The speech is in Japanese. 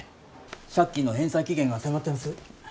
借金の返済期限が迫ってます。